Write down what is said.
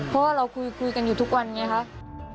เพราะเราคุยกันอยู่ทุกวันนี้นะครับ